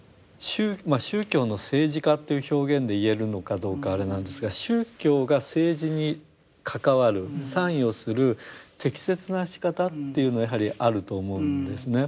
宗教の政治化という表現で言えるのかどうかあれなんですが宗教が政治に関わる参与する適切なしかたっていうのはやはりあると思うんですね。